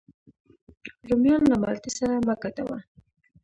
رومیان له مالټې سره مه ګډوه